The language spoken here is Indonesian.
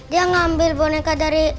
dia ngambil boneka dari